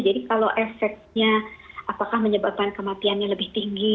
jadi kalau efeknya apakah menyebabkan kematiannya lebih tinggi